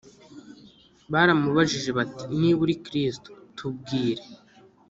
baramubajije bati, “niba uri kristo, tubwire